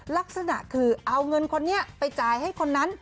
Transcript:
ลักษณะคือเอาเงินคนนี้ไปจ่ายให้คนนั้น